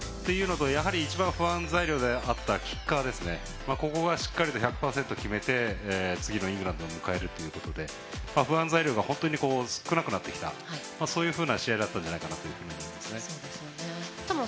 一番、不安材料であったキッカー、ここがしっかりと１００％決めて次のイングランドを迎えるということで不安材料が本当少なくなってきたそういうふうな試合だったと思いますね。